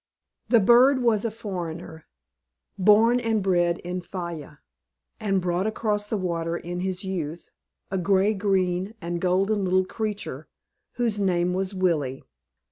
The bird was a foreigner, born and bred in Fayal, and brought across the water in his youth, a gray green and golden little creature, whose name was Willie.